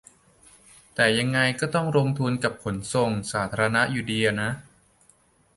แต่ยังไงก็ต้องลงทุนกับขนส่งสาธารณะอยู่ดีอะนะ